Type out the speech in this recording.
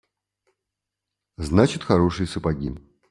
Значит хорошие сапоги.